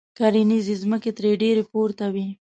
کرنیزې ځمکې ترې ډېرې پورته وې.